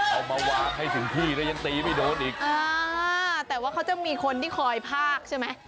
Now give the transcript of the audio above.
เอามาวางให้ถึงที่แล้วยังตีไม่โดนอีกอ่าแต่ว่าเขาจะมีคนที่คอยพากใช่ไหม